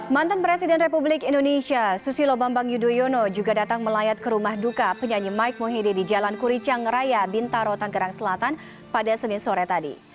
mantan presiden republik indonesia susilo bambang yudhoyono juga datang melayat ke rumah duka penyanyi mike mohede di jalan kuricang raya bintaro tanggerang selatan pada senin sore tadi